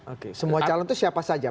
oke semua calon itu siapa saja